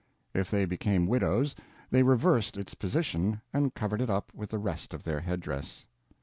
If they became widows, they reversed its position, and covered it up with the rest of their head dress.